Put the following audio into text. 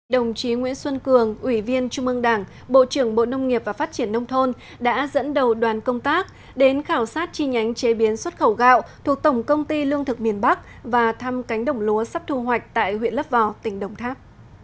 đồng chí nguyễn xuân cường ủy viên trung ương đảng bộ trưởng bộ nông nghiệp và phát triển nông thôn đã dẫn đầu đoàn công tác đến khảo sát chi nhánh chế biến xuất khẩu gạo thuộc tổng công ty lương thực miền bắc và thăm cánh đồng lúa sắp thu hoạch tại huyện lấp vò tỉnh đồng tháp